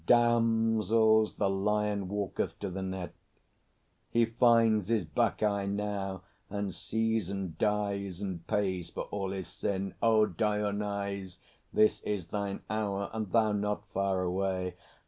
Damsels, the lion walketh to the net! He finds his Bacchae now, and sees and dies, And pays for all his sin! O Dionyse, This is thine hour and thou not far away.